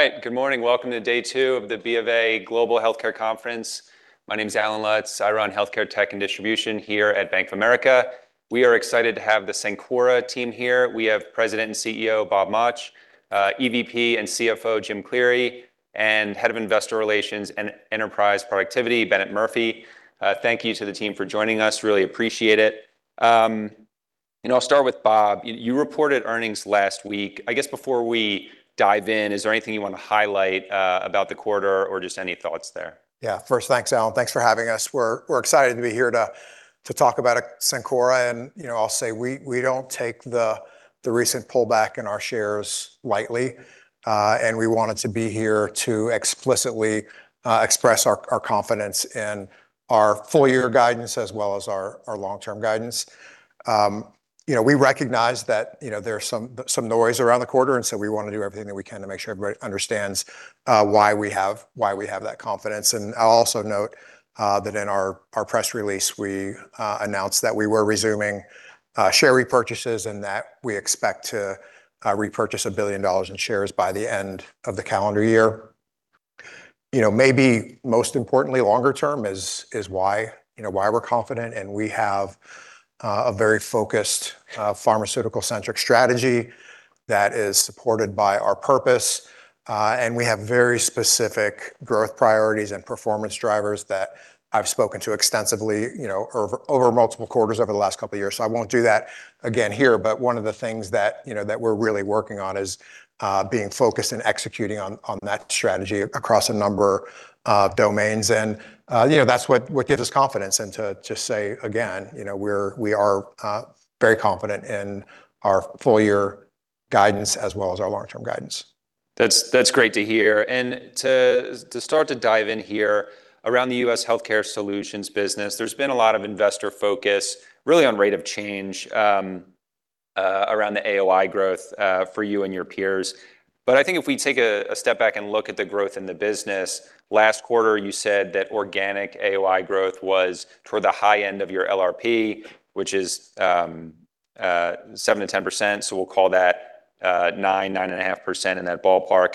All right. Good morning. Welcome to day two of the BofA Global Healthcare Conference. My name's Allen Lutz. I run Healthcare Technology & Distribution here at Bank of America. We are excited to have the Cencora team here. We have President and CEO, Bob Mauch, EVP and CFO, Jim Cleary, and Head of Investor Relations and Enterprise Productivity, Bennett Murphy. Thank you to the team for joining us. Really appreciate it. You know, I'll start with Bob. You reported earnings last week. I guess before we dive in, is there anything you want to highlight about the quarter or just any thoughts there? Yeah. First, thanks, Allen. Thanks for having us. We're excited to be here to talk about Cencora, you know, I'll say we don't take the recent pullback in our shares lightly. We wanted to be here to explicitly express our confidence in our full year guidance as well as our long-term guidance. You know, we recognize that, you know, there are some noise around the quarter, we want to do everything that we can to make sure everybody understands why we have that confidence. I'll also note that in our press release, we announced that we were resuming share repurchases and that we expect to repurchase $1 billion in shares by the end of the calendar year. You know, maybe most importantly longer term is why, you know, why we're confident, and we have a very focused, pharmaceutical-centric strategy that is supported by our purpose. We have very specific growth priorities and performance drivers that I've spoken to extensively, you know, over multiple quarters over the last couple of years. I won't do that again here. One of the things that, you know, that we're really working on is being focused and executing on that strategy across a number of domains. You know, that's what gives us confidence. To just say again, you know, we are very confident in our full year guidance as well as our long-term guidance. That's great to hear. To start to dive in here, around the U.S. Healthcare Solutions business, there's been a lot of investor focus really on rate of change around the AOI growth for you and your peers. I think if we take a step back and look at the growth in the business, last quarter, you said that organic AOI growth was toward the high end of your LRP, which is 7%-10%, so we'll call that 9%, 9.5% in that ballpark.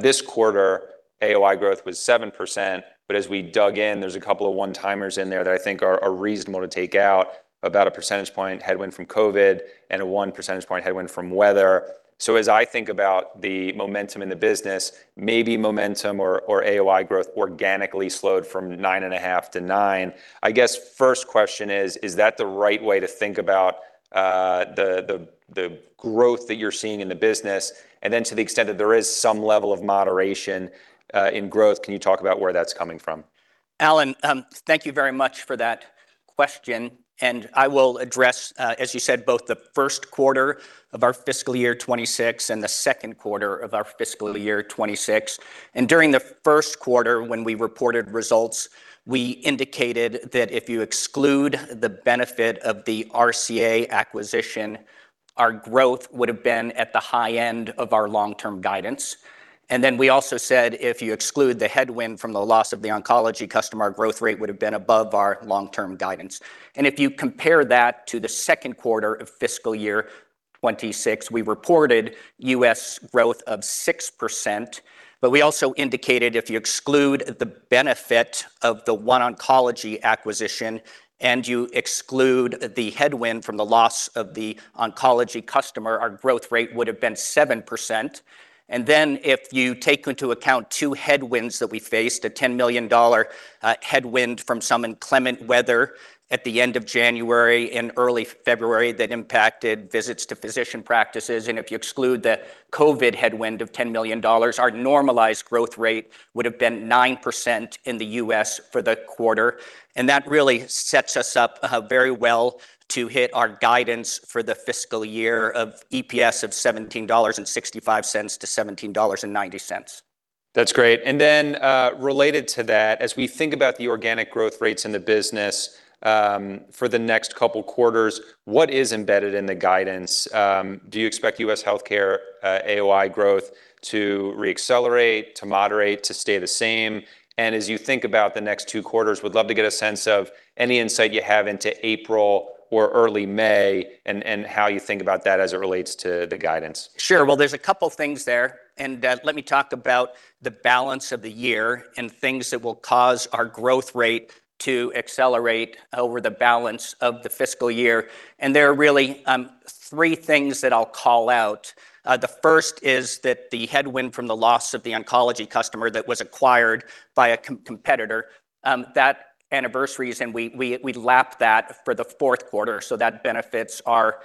This quarter, AOI growth was 7%, but as we dug in, there's a couple of one-timers in there that I think are reasonable to take out, about 1 percentage point headwind from COVID and a 1 percentage point headwind from weather. As I think about the momentum in the business, maybe momentum or AOI growth organically slowed from 9.5% to 9%. I guess first question is that the right way to think about the growth that you're seeing in the business? To the extent that there is some level of moderation in growth, can you talk about where that's coming from? Allen, thank you very much for that question, and I will address, as you said, both the first quarter of our fiscal year 2026 and the second quarter of our fiscal year 2026. During the first quarter when we reported results, we indicated that if you exclude the benefit of the RCA acquisition, our growth would have been at the high end of our long-term guidance. We also said, if you exclude the headwind from the loss of the oncology customer, our growth rate would have been above our long-term guidance. If you compare that to the second quarter of fiscal year 2026, we reported U.S. growth of 6%. We also indicated if you exclude the benefit of the OneOncology acquisition and you exclude the headwind from the loss of the oncology customer, our growth rate would have been 7%. If you take into account two headwinds that we faced, a $10 million headwind from some inclement weather at the end of January and early February that impacted visits to physician practices, and if you exclude the COVID headwind of $10 million, our normalized growth rate would have been 9% in the U.S. for the quarter. That really sets us up very well to hit our guidance for the fiscal year of EPS of $17.65-$17.90. That's great. Then, related to that, as we think about the organic growth rates in the business, for the next couple quarters, what is embedded in the guidance? Do you expect U.S. Healthcare AOI growth to re-accelerate, to moderate, to stay the same? As you think about the next two quarters, would love to get a sense of any insight you have into April or early May and how you think about that as it relates to the guidance? Sure. Well, there's a couple things there. Let me talk about the balance of the year and things that will cause our growth rate to accelerate over the balance of the fiscal year. There are really three things that I'll call out. The first is that the headwind from the loss of the oncology customer that was acquired by a competitor, that anniversaries, and we lapped that for the fourth quarter, so that benefits our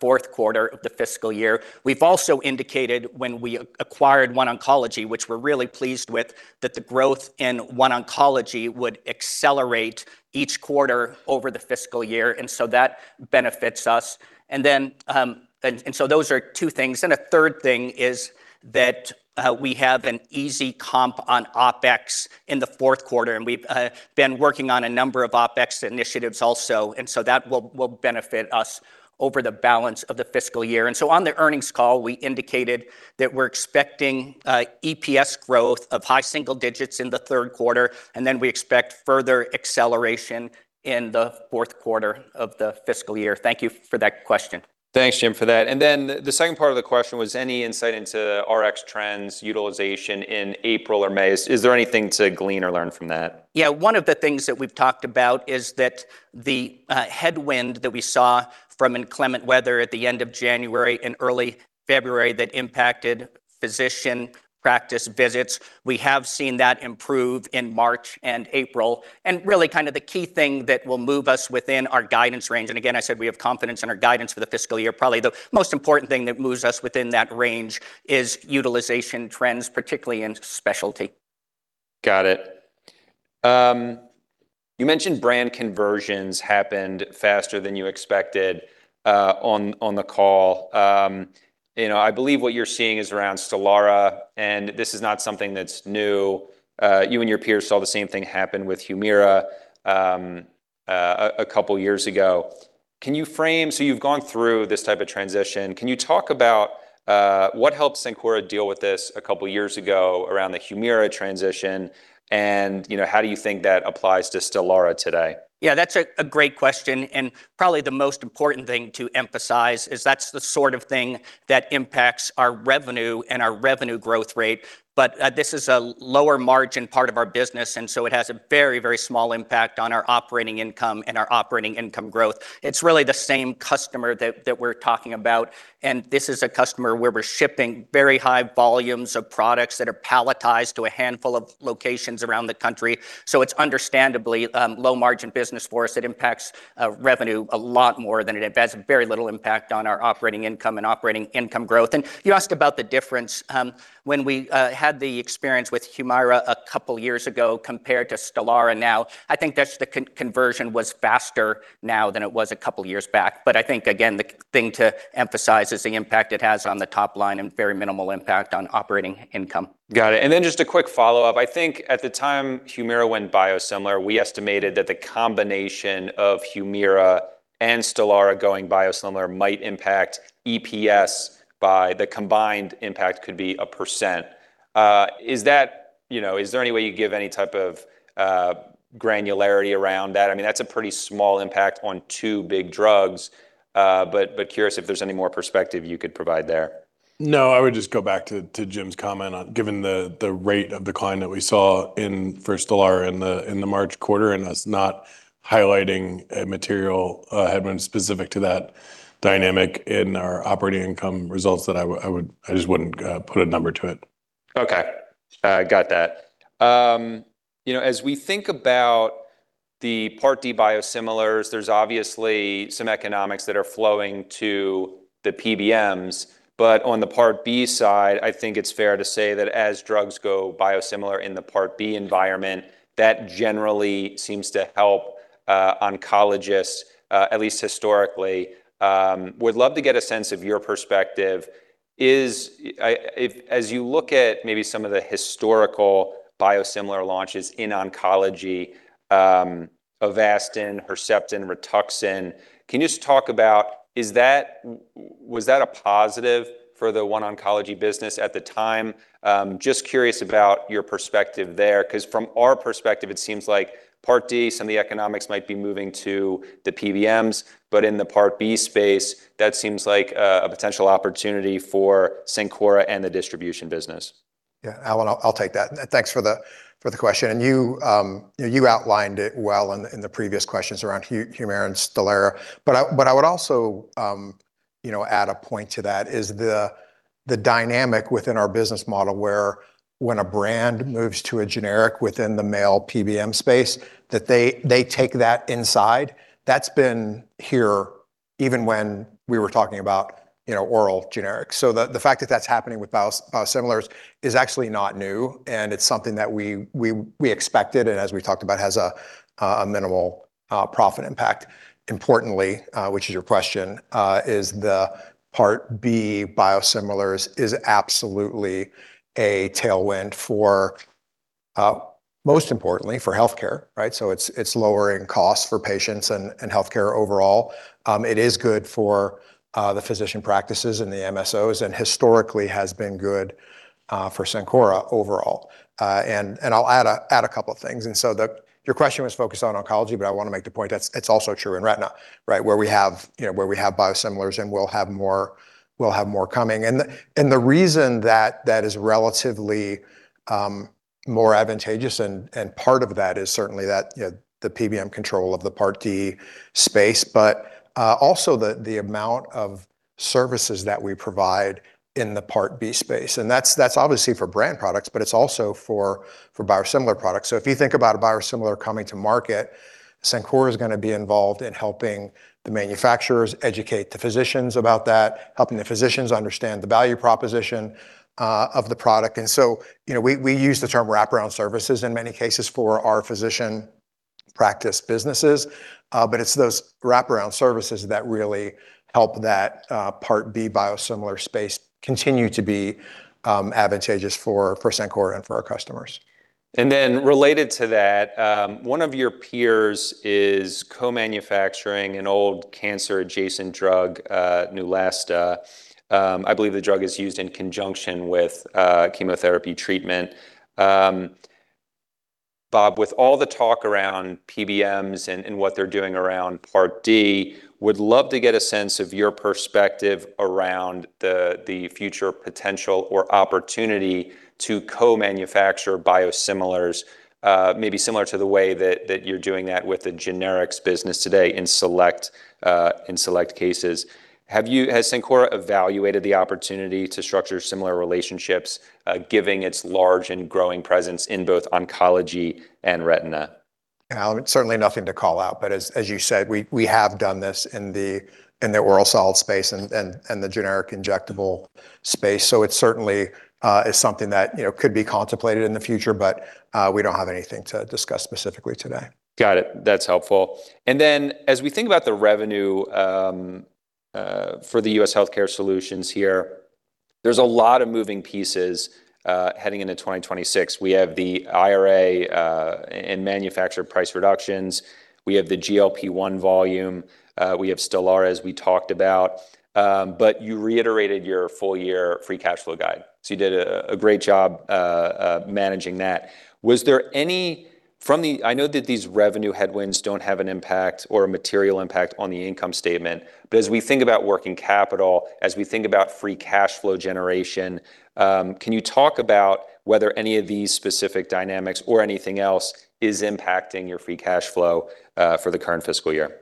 fourth quarter of the fiscal year. We've also indicated when we acquired OneOncology, which we're really pleased with, that the growth in OneOncology would accelerate each quarter over the fiscal year, so that benefits us. Then, so those are two things. A third thing is that we have an easy comp on OpEx in the fourth quarter, and we've been working on a number of OpEx initiatives also, and so that will benefit us over the balance of the fiscal year. On the earnings call, we indicated that we're expecting EPS growth of high single digits in the third quarter, and then we expect further acceleration in the fourth quarter of the fiscal year. Thank you for that question. Thanks, Jim, for that. The second part of the question was any insight into Rx trends utilization in April or May. Is there anything to glean or learn from that? One of the things that we've talked about is that the headwind that we saw from inclement weather at the end of January and early February that impacted physician practice visits, we have seen that improve in March and April. Really kind of the key thing that will move us within our guidance range, and again, I said we have confidence in our guidance for the fiscal year. Probably the most important thing that moves us within that range is utilization trends, particularly in specialty. Got it. You mentioned brand conversions happened faster than you expected, on the call. You know, I believe what you're seeing is around STELARA, and this is not something that's new. You and your peers saw the same thing happen with HUMIRA, a couple years ago. You've gone through this type of transition. Can you talk about, what helped Cencora deal with this a couple years ago around the HUMIRA transition and, you know, how do you think that applies to STELARA today? Yeah, that's a great question, probably the most important thing to emphasize is that's the sort of thing that impacts our revenue and our revenue growth rate. This is a lower margin part of our business, it has a very small impact on our operating income and our operating income growth. It's really the same customer that we're talking about, this is a customer where we're shipping very high volumes of products that are palletized to a handful of locations around the country. It's understandably low margin business for us. It impacts revenue a lot more than it has very little impact on our operating income and operating income growth. You asked about the difference when we had the experience with HUMIRA a couple years ago compared to STELARA now. I think that's the conversion was faster now than it was a couple years back. I think, again, the thing to emphasize is the impact it has on the top line and very minimal impact on operating income. Got it. Just a quick follow-up. I think at the time HUMIRA went biosimilar, we estimated that the combination of HUMIRA and STELARA going biosimilar might impact EPS. The combined impact could be 1%. You know, is there any way you give any type of granularity around that? I mean, that's a pretty small impact on two big drugs, but curious if there's any more perspective you could provide there. No, I would just go back to Jim's comment on given the rate of decline that we saw in, for STELARA in the March quarter, and us not highlighting a material headwind specific to that dynamic in our operating income results that I just wouldn't put a number to it. Okay. got that. you know, as we think about the Part D biosimilars, there's obviously some economics that are flowing to the PBMs. On the Part B side, I think it's fair to say that as drugs go biosimilar in the Part B environment, that generally seems to help oncologists at least historically. Would love to get a sense of your perspective. As you look at maybe some of the historical biosimilar launches in oncology, Avastin, Herceptin, Rituxan, can you just talk about was that a positive for the OneOncology business at the time? Just curious about your perspective there, 'cause from our perspective, it seems like Part D, some of the economics might be moving to the PBMs, but in the Part B space, that seems like a potential opportunity for Cencora and the distribution business. Allen, I'll take that. Thanks for the question. You know, you outlined it well in the previous questions around HUMIRA and STELARA. I would also, you know, add a point to that, is the dynamic within our business model where when a brand moves to a generic within the mail PBM space, that they take that inside. That's been here even when we were talking about, you know, oral generics. The fact that that's happening with biosimilars is actually not new, and it's something that we expected and, as we talked about, has a minimal profit impact. Importantly, which is your question, is the Part B biosimilars is absolutely a tailwind for most importantly for healthcare, right? It's lowering costs for patients and healthcare overall. It is good for the physician practices and the MSOs and historically has been good for Cencora overall. I'll add a couple of things. Your question was focused on oncology, but I wanna make the point that it's also true in retina, right? Where we have biosimilars, and we'll have more coming. The reason that that is relatively more advantageous, and part of that is certainly that, you know, the PBM control of the Part D space, but also the amount of services that we provide in the Part B space. That's obviously for brand products, but it's also for biosimilar products. If you think about a biosimilar coming to market, Cencora is gonna be involved in helping the manufacturers educate the physicians about that, helping the physicians understand the value proposition of the product. We use the term wraparound services in many cases for our physician practice businesses, but it's those wraparound services that really help that Part B biosimilar space continue to be advantageous for Cencora and for our customers. Related to that, one of your peers is co-manufacturing an old cancer-adjacent drug, Neulasta. I believe the drug is used in conjunction with chemotherapy treatment. Bob, with all the talk around PBMs and what they're doing around Part D, would love to get a sense of your perspective around the future potential or opportunity to co-manufacture biosimilars, maybe similar to the way that you're doing that with the generics business today in select cases. Has Cencora evaluated the opportunity to structure similar relationships given its large and growing presence in both oncology and retina? Allen, certainly nothing to call out, but as you said, we have done this in the oral solid space and the generic injectable space. It certainly is something that, you know, could be contemplated in the future, but we don't have anything to discuss specifically today. Got it. That's helpful. As we think about the revenue for the U.S. Healthcare Solutions here, there's a lot of moving pieces heading into 2026. We have the IRA and manufacturer price reductions. We have the GLP-1 volume. We have STELARA, as we talked about. You reiterated your full year free cash flow guide, so you did a great job managing that. Was there any I know that these revenue headwinds don't have an impact or a material impact on the income statement, as we think about working capital, as we think about free cash flow generation, can you talk about whether any of these specific dynamics or anything else is impacting your free cash flow for the current fiscal year?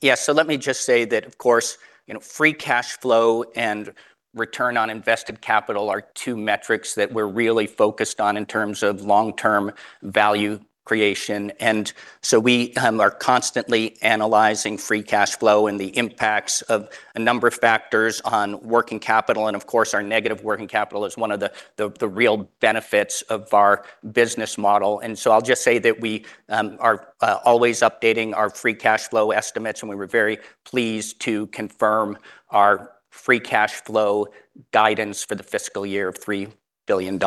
Yeah. Let me just say that, of course, you know, free cash flow and Return on Invested Capital are two metrics that we're really focused on in terms of long-term value creation. We are constantly analyzing free cash flow and the impacts of a number of factors on working capital. Of course, our Negative Working Capital is one of the real benefits of our business model. I'll just say that we are always updating our free cash flow estimates, and we were very pleased to confirm our free cash flow guidance for the fiscal year of $3 billion.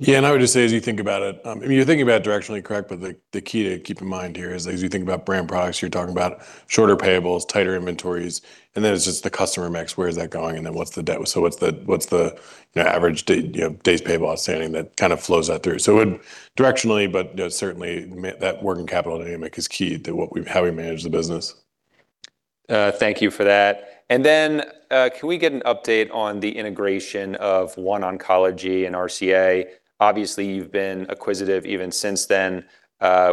Yeah. I would just say, as you think about it, I mean, you're thinking about it directionally correct, but the key to keep in mind here is as you think about brand products, you're talking about shorter payables, tighter inventories, and then it's just the customer mix. Where is that going? What's the debt? What's the average Days Payable Outstanding that kind of flows that through. It would directionally, but, you know, certainly that working capital dynamic is key to how we manage the business. Thank you for that. Can we get an update on the integration of OneOncology and RCA? Obviously, you've been acquisitive even since then,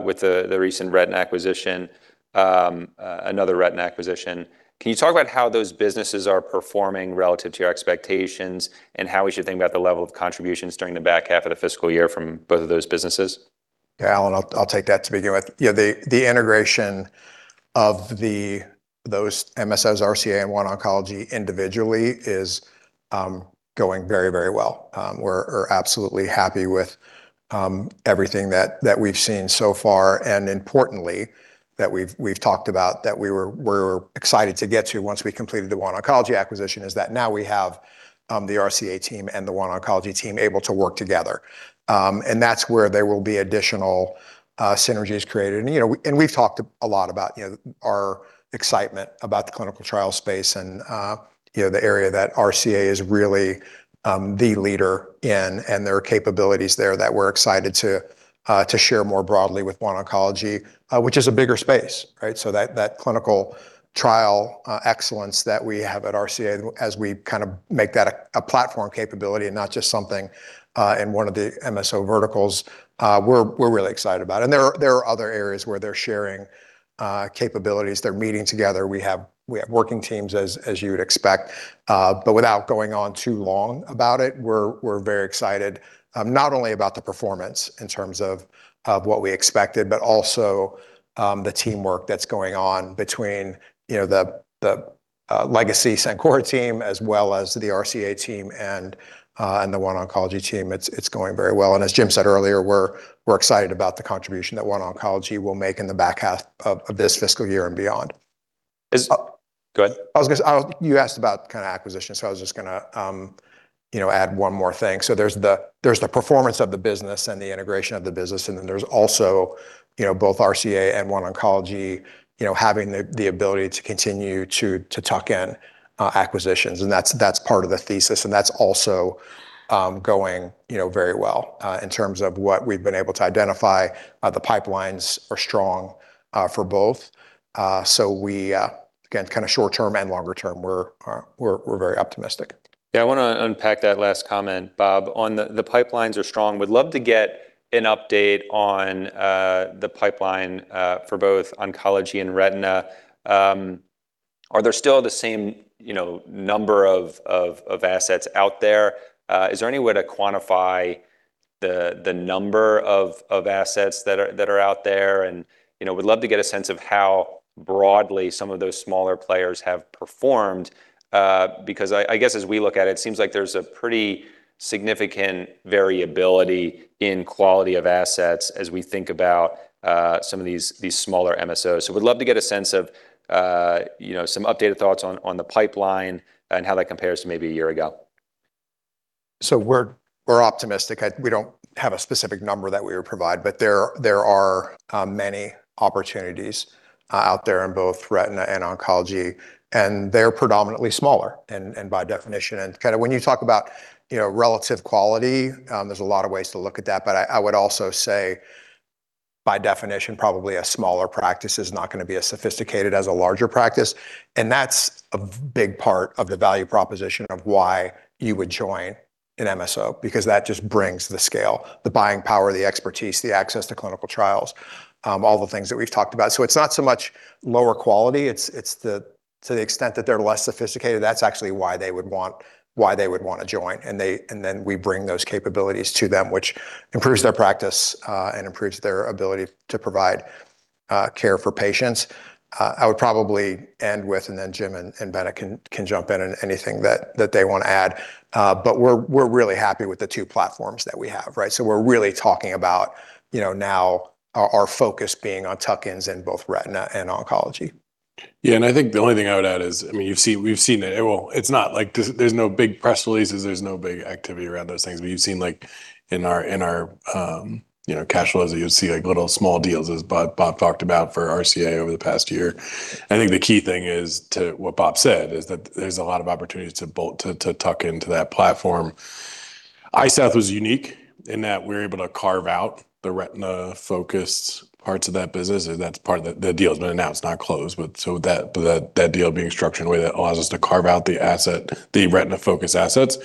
with the recent retina acquisition, another retina acquisition. Can you talk about how those businesses are performing relative to your expectations and how we should think about the level of contributions during the back half of the fiscal year from both of those businesses? Allen, I'll take that to begin with. The integration of those MSOs, RCA and OneOncology individually is going very, very well. We're absolutely happy with everything that we've seen so far, and importantly, that we've talked about that we're excited to get to once we completed the OneOncology acquisition, is that now we have the RCA team and the OneOncology team able to work together. That's where there will be additional synergies created. You know, we've talked a lot about, you know, our excitement about the clinical trial space and, you know, the area that RCA is really the leader in and their capabilities there that we're excited to share more broadly with OneOncology, which is a bigger space, right? That, that clinical trial, excellence that we have at RCA as we kind of make that a platform capability and not just something in one of the MSO verticals, we're really excited about. There are other areas where they're sharing capabilities. They're meeting together. We have working teams as you would expect. But without going on too long about it, we're very excited, not only about the performance in terms of what we expected, but also the teamwork that's going on between, you know, the legacy Cencora team as well as the RCA team and the OneOncology team. It's going very well. As Jim said earlier, we're excited about the contribution that OneOncology will make in the back half of this fiscal year and beyond. Is- Uh- Go ahead. You asked about kinda acquisition, so I was just gonna, you know, add one more thing. There's the performance of the business and the integration of the business, and then there's also, you know, both RCA and OneOncology, you know, having the ability to continue to tuck in acquisitions, and that's part of the thesis, and that's also going, you know, very well in terms of what we've been able to identify. The pipelines are strong for both. We, again, kinda short term and longer term, we're very optimistic. Yeah, I wanna unpack that last comment, Bob. On the pipelines are strong. Would love to get an update on the pipeline for both oncology and retina. Are there still the same, you know, number of assets out there? Is there any way to quantify the number of assets that are out there? You know, would love to get a sense of how broadly some of those smaller players have performed, because I guess as we look at it seems like there's a pretty significant variability in quality of assets as we think about some of these smaller MSOs. Would love to get a sense of, you know, some updated thoughts on the pipeline and how that compares to maybe a year ago. We're optimistic. We don't have a specific number that we would provide, but there are many opportunities out there in both retina and oncology, and they're predominantly smaller and by definition. Kind of when you talk about, you know, relative quality, there's a lot of ways to look at that. I would also say by definition, probably a smaller practice is not going to be as sophisticated as a larger practice, and that's a big part of the value proposition of why you would join an MSO, because that just brings the scale, the buying power, the expertise, the access to clinical trials, all the things that we've talked about. It's not so much lower quality, it's to the extent that they're less sophisticated, that's actually why they would want to join. They, and then we bring those capabilities to them, which improves their practice and improves their ability to provide care for patients. I would probably end with, and then Jim and Bennett can jump in on anything that they wanna add. We're really happy with the two platforms that we have, right? We're really talking about, you know, now our focus being on tuck-ins in both retina and oncology. I think the only thing I would add is, we've seen it. It's not like there's no big press releases, there's no big activity around those things. You've seen, like, in our, you know, cash flows that you'll see, like, little small deals, as Bob talked about, for Retina Consultants of America over the past year. I think the key thing is to, what Bob said, is that there's a lot of opportunities to bolt, to tuck into that platform. EyeSouth was unique in that we were able to carve out the retina-focused parts of that business, and that's part of the deal's been announced, not closed. That deal being structured in a way that allows us to carve out the retina-focused assets.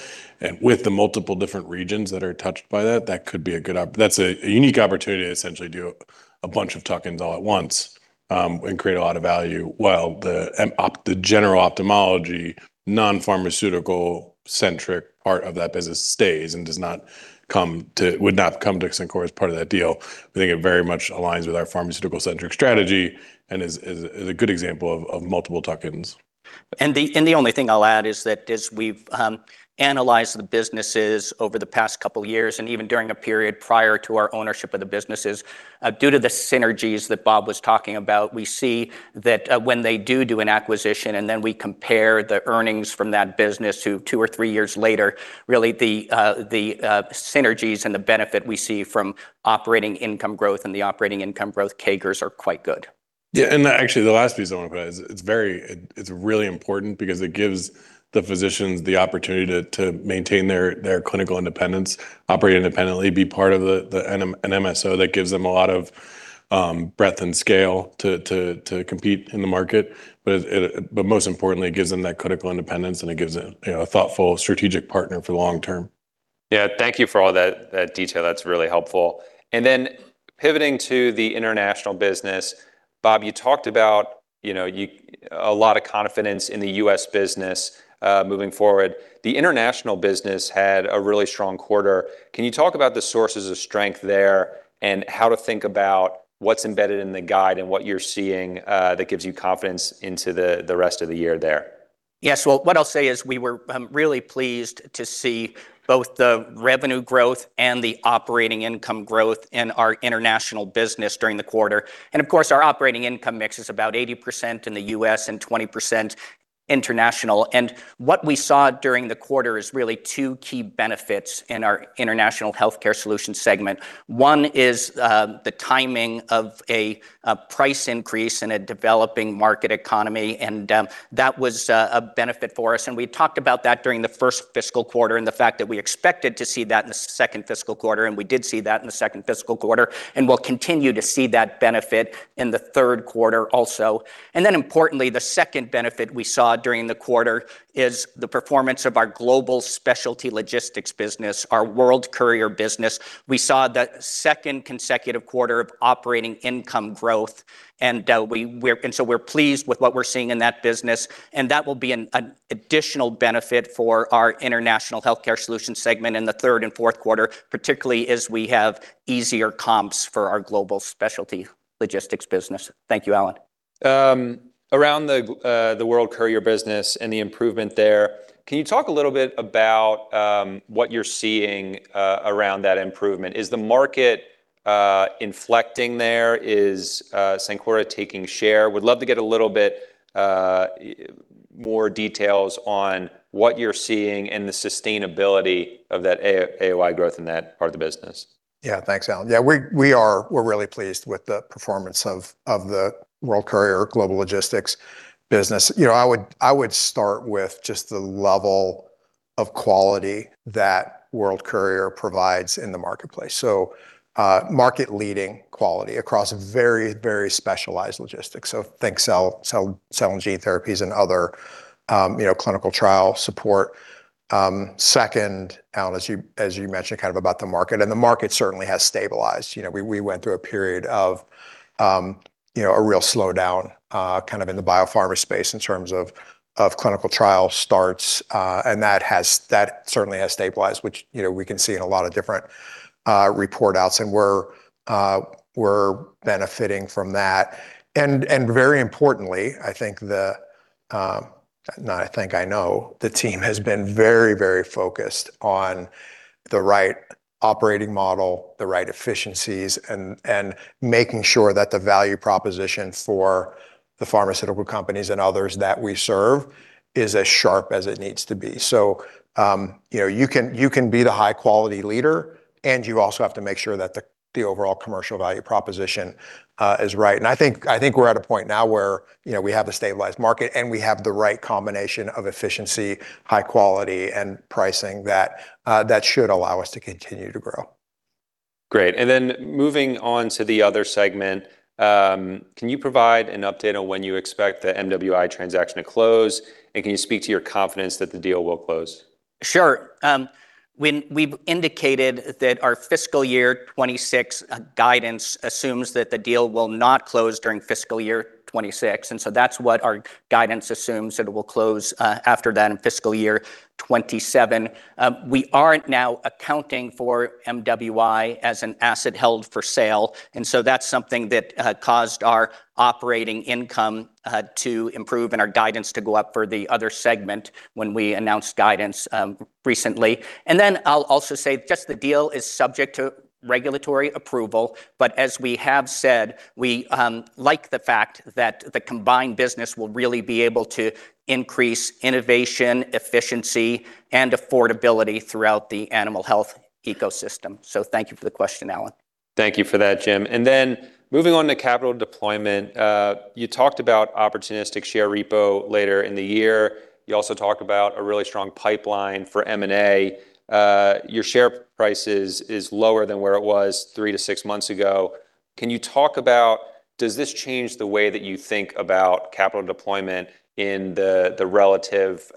With the multiple different regions that are touched by that could be a good That's a unique opportunity to essentially do a bunch of tuck-ins all at once, and create a lot of value while the general ophthalmology, non-pharmaceutical centric part of that business stays and does not come to, would not come to Cencora as part of that deal. We think it very much aligns with our pharmaceutical centric strategy and is a good example of multiple tuck-ins. The only thing I'll add is that as we've analyzed the businesses over the past couple of years, and even during a period prior to our ownership of the businesses, due to the synergies that Bob was talking about, we see that when they do an acquisition and then we compare the earnings from that business to two or three years later, really the synergies and the benefit we see from operating income growth and the operating income growth CAGRs are quite good. Yeah, actually, the last piece I wanna put in is it's very, it's really important because it gives the physicians the opportunity to maintain their clinical independence, operate independently, be part of an MSO that gives them a lot of breadth and scale to compete in the market. Most importantly, it gives them that clinical independence, and it gives a, you know, a thoughtful strategic partner for the long term. Yeah, thank you for all that detail. That's really helpful. Then pivoting to the international business, Bob, you talked about, you know, a lot of confidence in the U.S. business moving forward. The international business had a really strong quarter. Can you talk about the sources of strength there, and how to think about what's embedded in the guide and what you're seeing that gives you confidence into the rest of the year there? Yes. Well, what I'll say is we were really pleased to see both the revenue growth and the operating income growth in our international business during the quarter. Of course, our operating income mix is about 80% in the U.S. and 20% international. What we saw during the quarter is really two key benefits in our International Healthcare Solutions segment. One is the timing of a price increase in a developing market economy, that was a benefit for us. We talked about that during the first fiscal quarter, the fact that we expected to see that in the second fiscal quarter, and we did see that in the second fiscal quarter. We'll continue to see that benefit in the third quarter also. Importantly, the second benefit we saw during the quarter is the performance of our Global Specialty Logistics business, our World Courier business. We saw the second consecutive quarter of operating income growth, we're pleased with what we're seeing in that business, and that will be an additional benefit for our International Healthcare Solutions segment in the third and fourth quarter. Particularly as we have easier comps for our Global Specialty Logistics business. Thank you, Allen. Around the World Courier business and the improvement there, can you talk a little bit about what you're seeing around that improvement? Is the market inflecting there? Is Cencora taking share? Would love to get a little bit more details on what you're seeing and the sustainability of that AOI growth in that part of the business. Yeah. Thanks, Allen. We're really pleased with the performance of the World Courier global logistics business. You know, I would start with just the level of quality that World Courier provides in the marketplace. Market leading quality across a very specialized logistics. Think cell and gene therapies and other, you know, clinical trial support. Second, Allen, as you mentioned kind of about the market, the market certainly has stabilized. You know, we went through a period of, you know, a real slowdown, kind of in the biopharma space in terms of clinical trial starts. That certainly has stabilized, which, you know, we can see in a lot of different report outs, and we're benefiting from that. Very importantly, I think the, not I think, I know the team has been very, very focused on the right operating model, the right efficiencies, and making sure that the value proposition for the pharmaceutical companies and others that we serve is as sharp as it needs to be. You know, you can be the high quality leader, and you also have to make sure that the overall commercial value proposition is right. I think we're at a point now where, you know, we have a stabilized market, and we have the right combination of efficiency, high quality, and pricing that should allow us to continue to grow. Great. Moving on to the other segment, can you provide an update on when you expect the MWI transaction to close? Can you speak to your confidence that the deal will close? Sure. When we've indicated that our fiscal year 2026 guidance assumes that the deal will not close during fiscal year 2026, that's what our guidance assumes, that it will close after that in fiscal year 2027. We aren't now accounting for MWI as an asset held for sale, that's something that caused our operating income to improve and our guidance to go up for the other segment when we announced guidance recently. I'll also say just the deal is subject to regulatory approval, but as we have said, we like the fact that the combined business will really be able to increase innovation, efficiency, and affordability throughout the animal health ecosystem. So thank you for the question, Allen. Thank you for that, Jim. Then moving on to capital deployment, you talked about opportunistic share repo later in the year. You also talked about a really strong pipeline for M&A. Your share price is lower than where it was three to six months ago. Can you talk about does this change the way that you think about capital deployment in the relative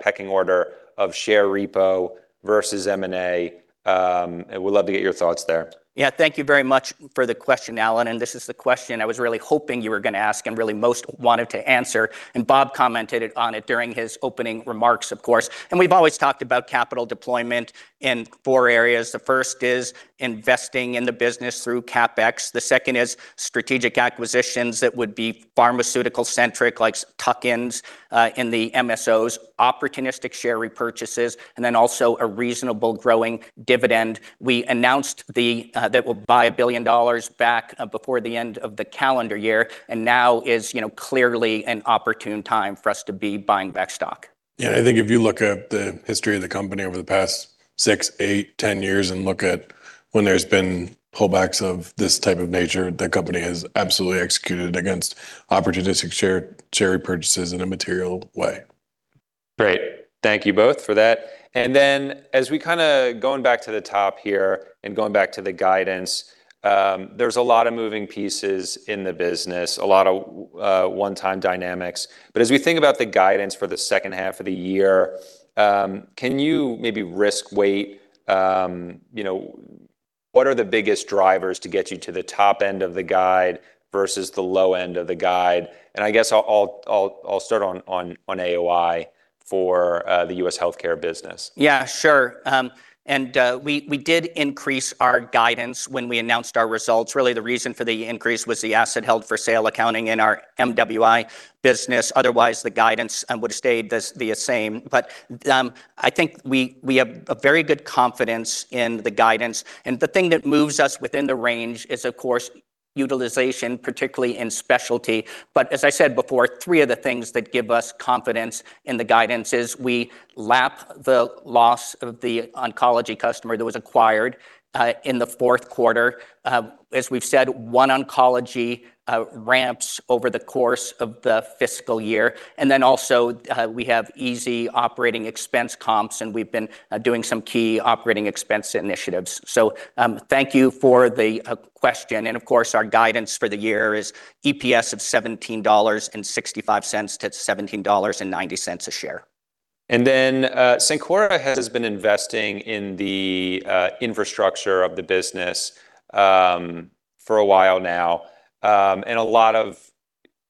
pecking order of share repo versus M&A? Would love to get your thoughts there. Thank you very much for the question, Allen. This is the question I was really hoping you were gonna ask and really most wanted to answer. Bob commented on it during his opening remarks, of course. We've always talked about capital deployment in four areas. The first is investing in the business through CapEx. The second is strategic acquisitions that would be pharmaceutical centric, like tuck-ins, in the MSOs, opportunistic share repurchases, and then also a reasonable growing dividend. We announced that we'll buy $1 billion back before the end of the calendar year. Now is, you know, clearly an opportune time for us to be buying back stock. Yeah, I think if you look at the history of the company over the past six, eight, 10 years and look at when there's been pullbacks of this type of nature, the company has absolutely executed against opportunistic share repurchases in a material way. Great. Thank you both for that. As we going back to the top here and going back to the guidance, there's a lot of moving pieces in the business, a lot of one-time dynamics. As we think about the guidance for the second half of the year, can you maybe risk weight, you know, what are the biggest drivers to get you to the top end of the guide versus the low end of the guide? I guess I'll start on AOI for the U.S. healthcare business. We did increase our guidance when we announced our results. The reason for the increase was the asset held for sale accounting in our MWI business. The guidance would've stayed the same. I think we have a very good confidence in the guidance, and the thing that moves us within the range is, of course, utilization, particularly in specialty. Three of the things that give us confidence in the guidance is we lap the loss of the oncology customer that was acquired in the fourth quarter. As we've said, OneOncology ramps over the course of the fiscal year. Also, we have easy operating expense comps, and we've been doing some key operating expense initiatives. Thank you for the question. Of course, our guidance for the year is EPS of $17.65-$17.90 a share. Cencora has been investing in the infrastructure of the business for a while now, and a lot of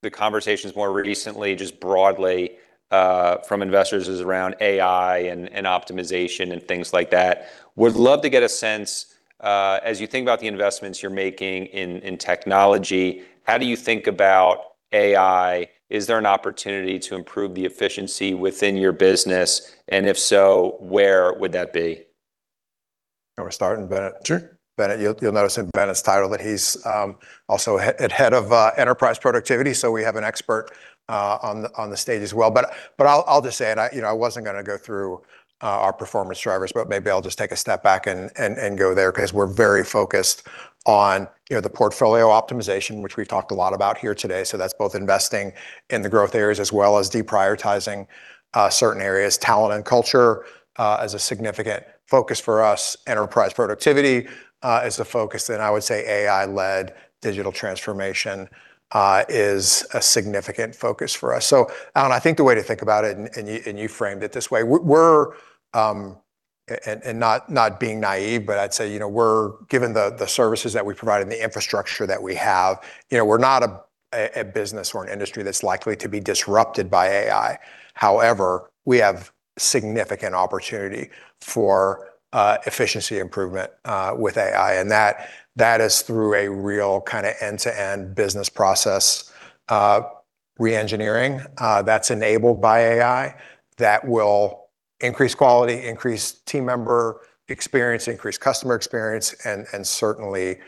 the conversations more recently, just broadly, from investors is around AI and optimization and things like that. Would love to get a sense, as you think about the investments you're making in technology, how do you think about AI? Is there an opportunity to improve the efficiency within your business? If so, where would that be? We're starting Bennett. Sure. Bennett, you'll notice in Bennett's title that he's also head of enterprise productivity, so we have an expert on the stage as well. I'll just say it, I, you know, I wasn't gonna go through our performance drivers, maybe I'll just take a step back and go there 'cause we're very focused on, you know, the portfolio optimization, which we've talked a lot about here today. That's both investing in the growth areas as well as deprioritizing certain areas. Talent and culture is a significant focus for us. Enterprise productivity is a focus. I would say AI-led digital transformation is a significant focus for us. Allen, I think the way to think about it, and you framed it this way, we're, and not being naive, but I'd say, you know, we're, given the services that we provide and the infrastructure that we have, you know, we're not a business or an industry that's likely to be disrupted by AI. However, we have significant opportunity for efficiency improvement with AI, and that is through a real kind of end-to-end business process re-engineering that's enabled by AI that will increase quality, increase team member experience, increase customer experience, and certainly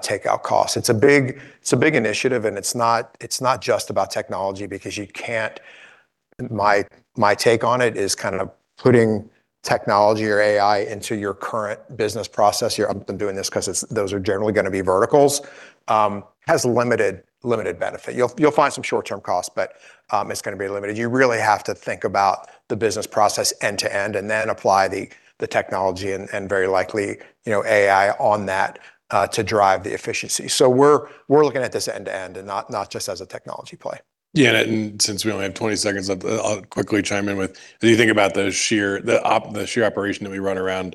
take out costs. It's a big initiative, and it's not just about technology because you can't My take on it is kind of putting technology or AI into your current business process. You're often doing this because it's, those are generally gonna be verticals. Has limited benefit. You'll find some short-term costs, but it's gonna be limited. You really have to think about the business process end to end and then apply the technology and very likely, you know, AI on that to drive the efficiency. We're looking at this end to end and not just as a technology play. Since we only have 20 seconds left, I'll quickly chime in with as you think about the sheer operation that we run around,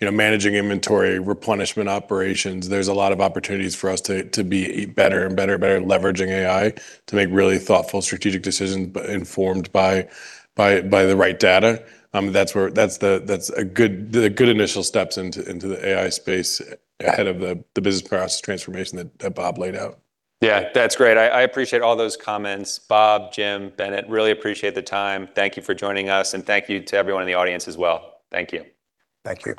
you know, managing inventory, replenishment operations, there's a lot of opportunities for us to be better and better at leveraging AI to make really thoughtful strategic decisions informed by the right data. That's where that's the good initial steps into the AI space ahead of the business process transformation that Bob laid out. Yeah, that's great. I appreciate all those comments. Bob, Jim, Bennett, really appreciate the time. Thank you for joining us, and thank you to everyone in the audience as well. Thank you. Thank you.